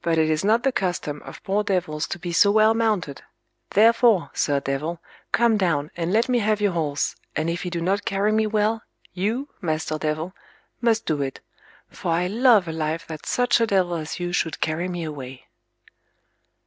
But it is not the custom of poor devils to be so well mounted; therefore, sir devil, come down, and let me have your horse, and if he do not carry me well, you, master devil, must do it: for I love a life that such a devil as you should carry me away.